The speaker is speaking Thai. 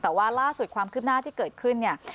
แต่ว่าล่าสุดความคืบหน้าที่เกิดขึ้นเนี่ย